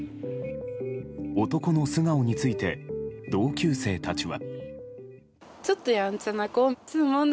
男の素顔について同級生たちは。